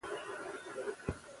ډيپلومات د خبرو پر مهال متانت ښيي.